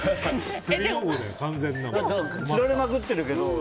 俺、釣られまくってるけど。